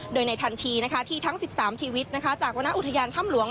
โดยในทันทีที่ทั้ง๑๓ชีวิตจากวรรณอุทยานถ้ำหลวง